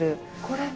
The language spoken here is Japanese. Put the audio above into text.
これ？